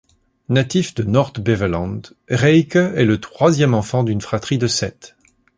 Natif de Noord-Beveland, Rijke est le troisième enfant d'une fratrie de sept.